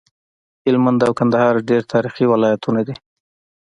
هلمند او کندهار ډير تاريخي ولايتونه دي